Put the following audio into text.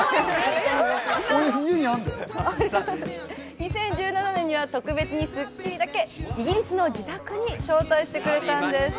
２０１７年には特別に『スッキリ』だけ、イギリスの自宅に招待してくれたんです。